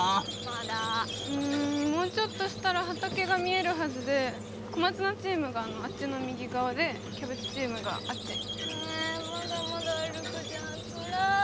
まだうんもうちょっとしたら畑が見えるはずで小松菜チームがあっちの右側でキャベツチームがあっちえまだまだ歩くじゃんつらっ